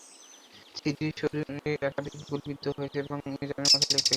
সিডুর শরীরে একাধিক গুলি বিদ্ধ হয়েছে এবং মিজানের মাথায় লেগেছে একটি গুলি।